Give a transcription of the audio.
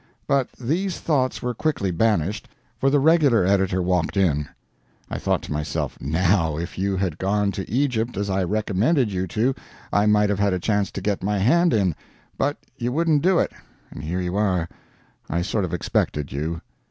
But these thoughts were quickly banished, for the regular editor walked in! [I thought to myself, Now if you had gone to Egypt as I recommended you to, I might have had a chance to get my hand in; but you wouldn't do it, and here you are. I sort of expected you.